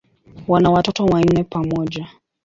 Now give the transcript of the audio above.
Wana watoto wanne pamoja.